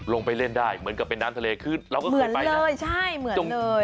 ลงไปเล่นได้เหมือนกับเป็นน้ำทะเลคือเราก็เคยไปนะเหมือนจังเลย